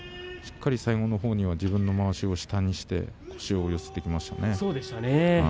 最後のほうは、自分のまわしを下にして腰を寄せていきましたね。